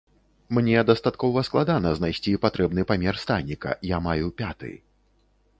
Мне дастаткова складана знайсці патрэбны памер станіка, я маю пяты.